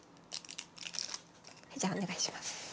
じゃあお願いします。